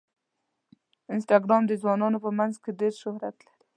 انسټاګرام د ځوانانو په منځ کې ډېر شهرت لري.